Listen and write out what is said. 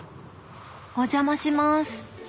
お邪魔します。